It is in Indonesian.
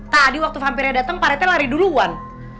tadi waktu vampirnya datang pak rete lari duluan